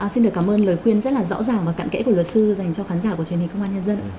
xin được cảm ơn lời khuyên rất là rõ ràng và cạn kẽ của luật sư dành cho khán giả của truyền hình công an nhân dân